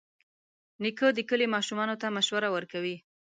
نیکه د کلي ماشومانو ته مشوره ورکوي.